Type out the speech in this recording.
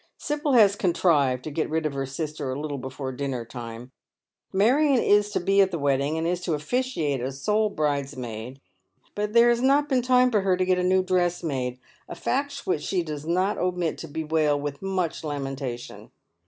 Sibyl has contrived to get rid of her sister a little before dinner time. Marion is to be at the wedding, and is to ofliciato as sole bridesmaid, but there has not been time for her to get a new dress made, a fact which she does not omit to bewail with much lamentation.